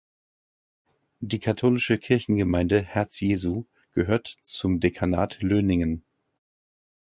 Die Katholische Kirchengemeinde Herz-Jesu gehört zum Dekanat Löningen.